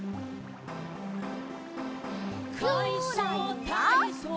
「かいそうたいそう」